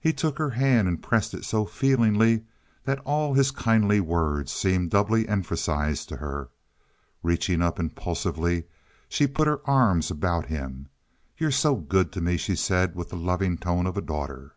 He took her hand and pressed it so feelingly that all his kindly words seemed doubly emphasized to her. Reaching up impulsively, she put her arms about him. "You're so good to me," she said with the loving tone of a daughter.